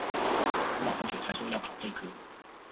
我老同學才說要考這科